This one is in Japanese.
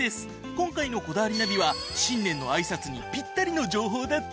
今回の『こだわりナビ』は新年のあいさつにピッタリの情報だって！